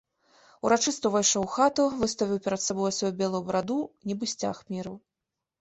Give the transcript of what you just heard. Урачыста ўвайшоў у хату, выставіў перад сабою сваю белую бараду, нібы сцяг міру.